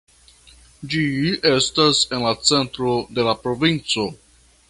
Ĝi estas en la centro de la provinco.